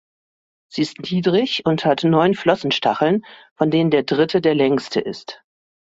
Sie ist niedrig und hat neun Flossenstacheln von denen der dritte der längste ist.